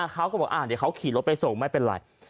เขาก็บอกเดี๋ยวเขาขี่รถไปส่งไม่เป็นไร